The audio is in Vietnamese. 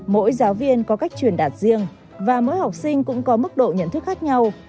mỗi giáo viên có cách truyền đạt riêng và mỗi học sinh cũng có mức độ nhận thức khác nhau